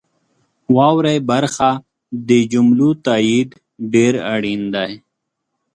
واورئ برخه د جملو تایید ډیر اړین دی.